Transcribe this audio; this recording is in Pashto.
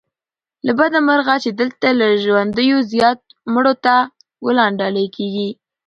له بده مرغه چې دلته له ژوندیو زيات مړو ته ګلان ډالې کېږي